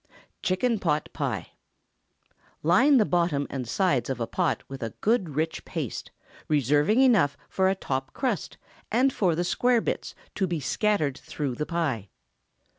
CHICKEN POT PIE. Line the bottom and sides of a pot with a good rich paste, reserving enough for a top crust and for the square bits to be scattered through the pie.